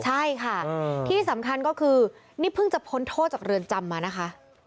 ใช่ค่ะที่สำคัญก็คือนี่เพิ่งจะพ้นโทษจากเรือนจำมานะคะ